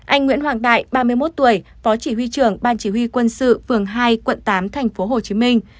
anh nguyễn hoàng đại ba mươi một tuổi phó chỉ huy trưởng ban chỉ huy quân sự phường hai quận tám thành phố hồ chí minh